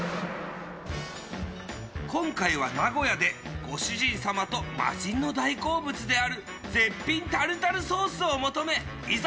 今回は名古屋でご主人様と魔人の大好物である絶品タルタルソースを求めいざ